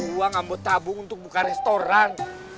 uang ambil tabung untuk buka restoran